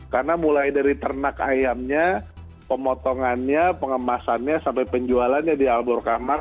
karena mulai dari ternak ayamnya pemotongannya pengemasannya sampai penjualannya di albaro kahmar